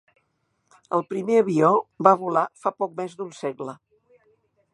El primer avió va volar fa poc més d'un segle.